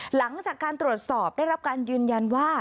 หลังจากการตรวจสอบได้รับการยืนยันว่า